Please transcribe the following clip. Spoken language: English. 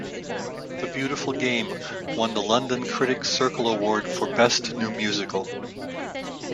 "The Beautiful Game" won the London Critics Circle Award for best new musical.